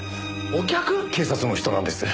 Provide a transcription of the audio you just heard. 警察の人なんです。